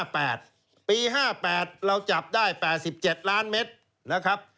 ๕๘เราจับได้๘๗ล้านเมตรนะครับ